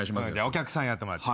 お客さんやってもらって。